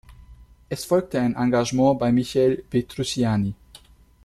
Es folgte ein Engagement bei Michel Petrucciani.